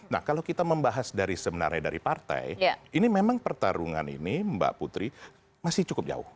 nah kalau kita membahas dari sebenarnya dari partai ini memang pertarungan ini mbak putri masih cukup jauh